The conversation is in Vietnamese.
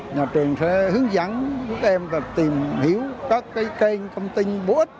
nhà trường sẽ hướng dẫn cho tụi em tìm hiểu các kênh thông tin bố ích